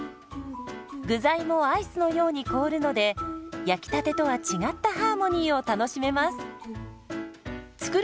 具材もアイスのように凍るので焼きたてとは違ったハーモニーを楽しめます。